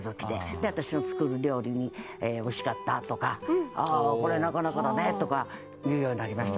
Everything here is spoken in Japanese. で私の作る料理に「美味しかった」とか「これはなかなかだね」とか言うようになりました。